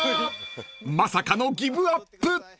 ［まさかのギブアップ］